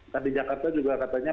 tadi jakarta juga katanya